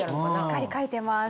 しっかり書いてます。